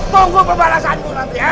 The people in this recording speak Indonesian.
tunggu pembalasanmu nanti ya